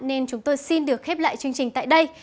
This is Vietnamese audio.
nên chúng tôi xin được khép lại chương trình tại đây